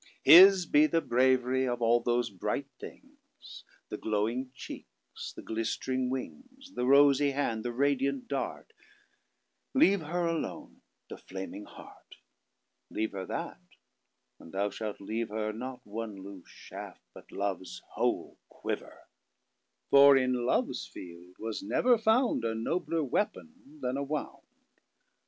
His be the bravery of all those Bright things. The glowing cheekes, the glistering wings; The Rosy hand, the radiant Dart; Leave Her alone The Flaming Heart.Leave her that; and thou shalt leave herNot one loose shaft but love's whole quiver. For in love's feild was never foundA nobler weapon then a Wound.